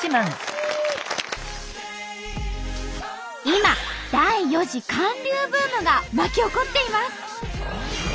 今第４次韓流ブームが巻き起こっています。